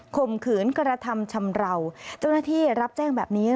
ข่มขืนกระทำชำราวเจ้าหน้าที่รับแจ้งแบบนี้